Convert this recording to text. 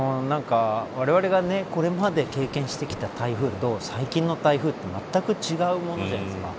われわれがこれまで経験してきた台風と最近の台風って、まったく違うものじゃないですか。